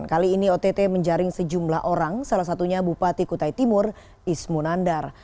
kali ini ott menjaring sejumlah orang salah satunya bupati kutai timur ismu nandar